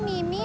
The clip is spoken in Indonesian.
oh ini dia